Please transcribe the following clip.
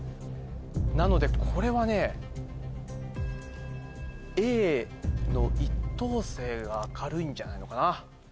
なのでこれはね。が明るいんじゃないのかな。